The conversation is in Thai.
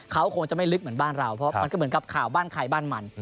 เขาคงจะไม่ลึกเหมือนบ้านเราเพราะมันก็เหมือนกับข่าวบ้านใครบ้านมัน